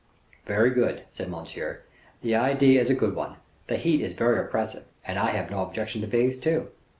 "Very good," said Monsieur, "the idea is a good one; the heat is very oppressive, and I have no objection to bathe, too."